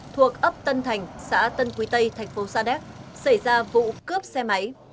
thuộc ấp tân thành xã tân quý tây thành phố sa đéc xảy ra vụ cướp xe máy